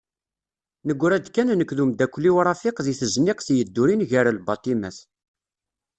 Neggra-d kan nekk d umdakel-iw Rafiq deg tezniqt yeddurin gar lbaṭimat.